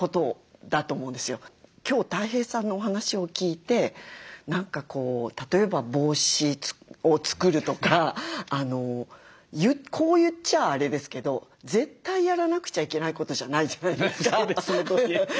今日たい平さんのお話を聞いて例えば帽子を作るとかこう言っちゃあれですけど絶対やらなくちゃいけないことじゃないじゃないですか。